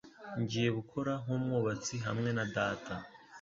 Ngiye gukora nk'umwubatsi hamwe na data